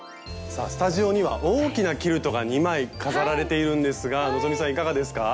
さあスタジオには大きなキルトが２枚飾られているんですが希さんいかがですか？